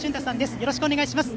よろしくお願いします。